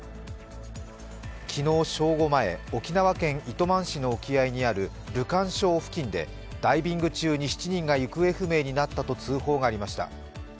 昨日正午前、沖縄県糸満市の沖合にあるルカン礁付近でダイビング中に７人が行方不明になったと通報がありました。